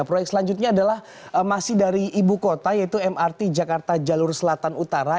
proyek selanjutnya adalah masih dari ibu kota yaitu mrt jakarta jalur selatan utara